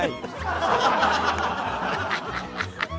ハハハハ！